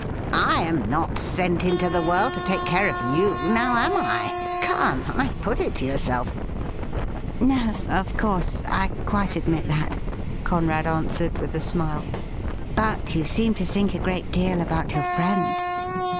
I am not sent into the world to take care of you — now am I ? Come, I put it to yourself.' ' No, of course ; I quite admit that,' Conrad answered, with a smile. ' But you seem to think a great deal about your friend.'